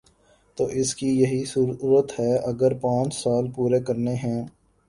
تو اس کی یہی صورت ہے اگر پانچ سال پورے کرنے ہیں۔